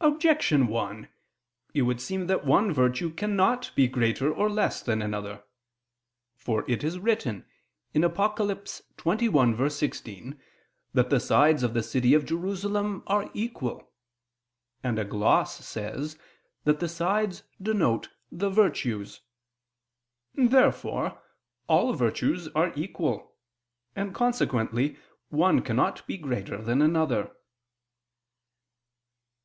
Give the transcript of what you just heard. Objection 1: It would seem that one virtue cannot be greater or less than another. For it is written (Apoc. 21:16) that the sides of the city of Jerusalem are equal; and a gloss says that the sides denote the virtues. Therefore all virtues are equal; and consequently one cannot be greater than another.